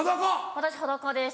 私裸です